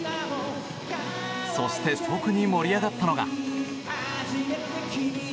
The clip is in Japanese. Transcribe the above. そして、特に盛り上がったのが。